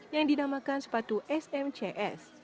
yang dinamakan sepatu smcs